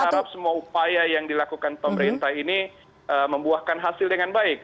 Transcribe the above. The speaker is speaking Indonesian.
kita harap semua upaya yang dilakukan pemerintah ini membuahkan hasil dengan baik